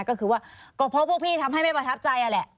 ก็คือว่าก็เพราะพวกพี่ทำให้ไม่ประทับใจนั่นแหละ